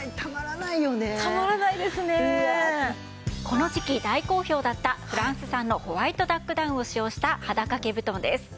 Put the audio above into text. この時季大好評だったフランス産のホワイトダックダウンを使用した肌掛け布団です。